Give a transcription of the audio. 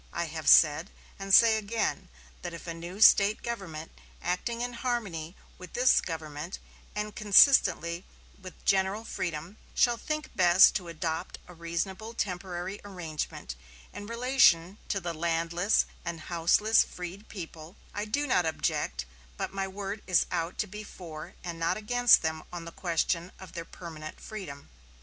I have said, and say again, that if a new State government, acting in harmony with this government and consistently with general freedom, shall think best to adopt a reasonable temporary arrangement in relation to the landless and houseless freed people, I do not object; but my word is out to be for and not against them on the question of their permanent freedom."